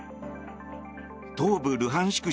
東部ルハンシク